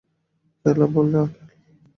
এলা বললে, অখিল।